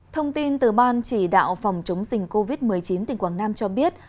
thông tin từ ban chỉ đạo phòng chống dịch covid một mươi chín tỉnh quảng nam cho biết